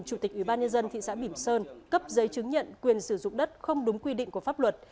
chủ tịch ủy ban nhân dân thị xã bỉm sơn cấp giấy chứng nhận quyền sử dụng đất không đúng quy định của pháp luật